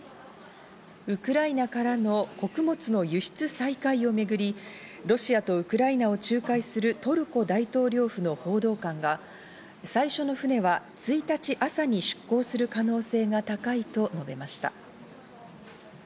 ウクライナからの穀物の輸出再開をめぐり、ロシアとウクライナを仲介するトルコ大統領府の報道官が最初の船は１日朝に出港する可能性が高いと述べました。